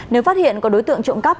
nếu phát hiện có đối tượng trộm cắp